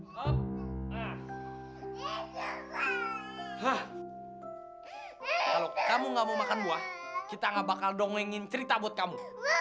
kalau kamu enggak mau makan buah kita enggak bakal dongengin cerita buat kamu